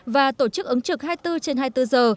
và tổ chức ứng trực hai mươi bốn trên hai mươi bốn giờ